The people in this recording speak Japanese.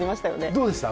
どうでした？